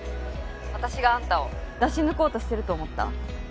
私があんたを出し抜こうとしてると思った？